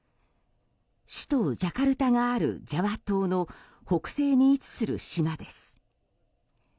首都ジャカルタがあるジャワ島の北西に位置する島です。